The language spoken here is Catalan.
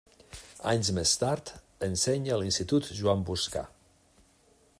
Anys més tard, ensenya a l'Institut Joan Boscà.